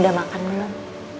udah makan belum